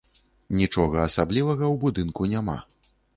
Нічога асаблівага ў будынку няма.